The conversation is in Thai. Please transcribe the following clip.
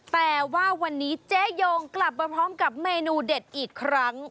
แต่ว่าวันนี้เจ๊ยงกลับมาพร้อมกับเมนูเด็ดอีกครั้ง